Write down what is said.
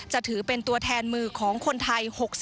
จะถือเป็นตัวแทนมือของคนไทย๖๐